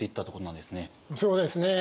そうですね。